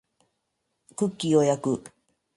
クッキーを焼く